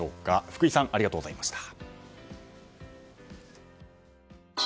福井さんありがとうございました。